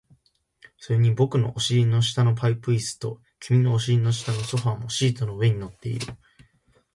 それに僕のお尻の下のパイプ椅子と、君のお尻の下のソファーもシートの上に乗っている